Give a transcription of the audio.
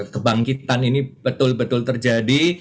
kebangkitan ini betul betul terjadi